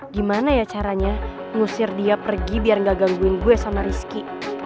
gimana ya caranya ngusir dia pergi biar nggak gangguin gue sama rizky